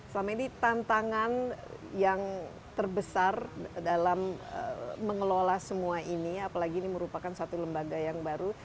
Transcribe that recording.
selama ini tantangan yang terbesar dalam mengelola semua ini apalagi ini merupakan suatu lembaga yang baru